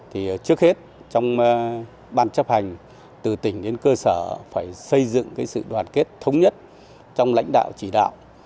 thì trước hết trong ban chấp hành từ tỉnh đến cơ sở phải xây dựng sự đoàn kết thống nhất trong lãnh đạo chỉ đạo